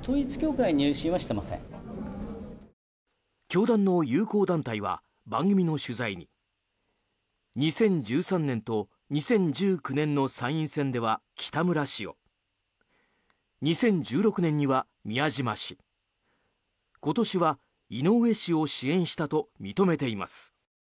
教団の友好団体は番組の取材に２０１３年と２０１９年の参院選では、北村氏を２０１６年には宮島氏今年は井上氏を支援したと認めています。